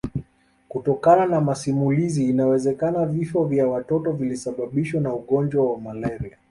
Kutokana na masimulizi inawezekana vifo vya watoto vilisababishwa na ugonjwa wa malaria